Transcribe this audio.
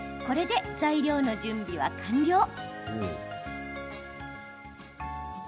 これで材料の準備は完了。